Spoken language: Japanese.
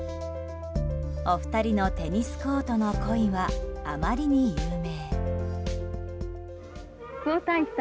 お二人のテニスコートの恋はあまりに有名。